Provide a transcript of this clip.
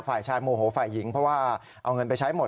ฝ่ายชายโมโหฝ่ายหญิงเพราะว่าเอาเงินไปใช้หมด